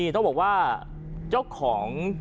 ต้องบอกว่าเจ้าของ